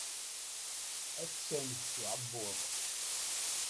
Attan s uƐebbuḍ.